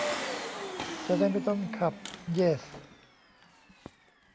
จะได้ไม่ต้องขับ เยส !